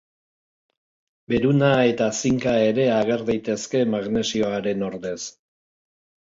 Beruna eta zinka ere ager daitezke magnesioaren ordez.